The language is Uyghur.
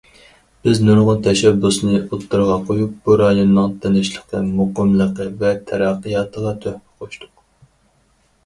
بىز نۇرغۇن تەشەببۇسنى ئوتتۇرىغا قويۇپ، بۇ رايوننىڭ تىنچلىقى، مۇقىملىقى ۋە تەرەققىياتىغا تۆھپە قوشتۇق.